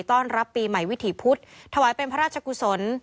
ต้อนรับปีใหม่วิถีพุธถวายเป็นพระราชกุศล